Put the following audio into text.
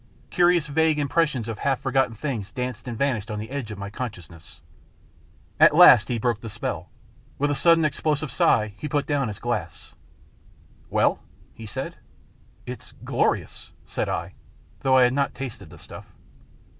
Curious vague impres sions of half forgotten things danced and vanished on the edge of my consciousness. At last he broke the spell. With a sudden explosive sigh he put down his glass. STORY OF THE LATE MR. ELVESHAM 55 "Well? "he said. "It's glorious," said I, though I had not tasted the stuff.